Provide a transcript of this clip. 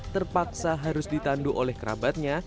terpaksa harus ditandu oleh kerabatnya